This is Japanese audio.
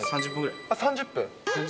３０分。